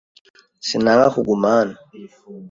Sinanga kuguma hano.